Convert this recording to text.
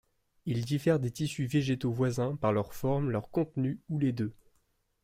Ils diffèrent des tissus végétaux voisins par leur forme, leur contenu ou les deux.